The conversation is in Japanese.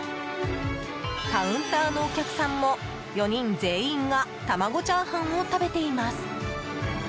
カウンターのお客さんも４人全員が玉子チャーハンを食べています。